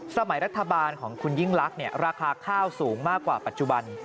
สมัยรัฐบาลของคุณยิ่งลักษณ์ราคาข้าวสูงมากกว่าปัจจุบัน